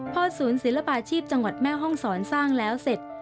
พอศูนย์ศิลปาชีพจังหวัดแม่ห้องศรสร้างแล้วเสร็จ